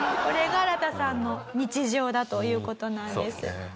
これがアラタさんの日常だという事なんです。